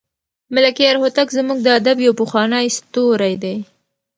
ملکیار هوتک زموږ د ادب یو پخوانی ستوری دی.